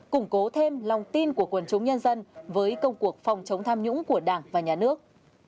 củng cố thêm lòng tin của quần chúng nhân dân với công cuộc phòng chống tham nhũng của đảng và nhà nước